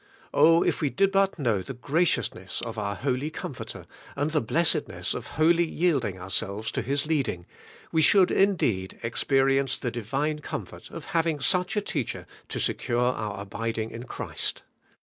Oh, if we did but know the graciousness of our Holy Comforter, and the blessedness of wholly yielding ourselves to His leading, we should indeed experience the Divine com THROUGH THE HOLY SPIRIT, 135 fort of having such a teacher to secure our abiding in Christ.